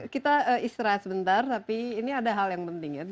kita istirahat sebentar tapi ini ada hal yang penting ya